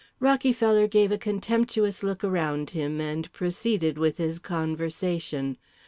Rockyfeller gave a contemptuous look around him and proceeded with his conversation.